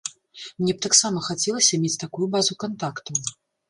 Мне б таксама хацелася мець такую базу кантактаў.